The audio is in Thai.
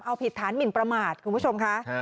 เอาผิดฐานหมินประมาทคุณผู้ชมค่ะ